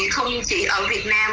không chỉ ở việt nam